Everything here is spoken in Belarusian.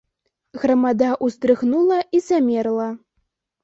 Грамада ўздрыгнула і замерла.